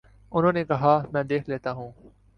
انہوں نے کہا: میں دیکھ لیتا ہوں۔